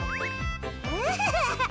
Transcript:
アハハハッ！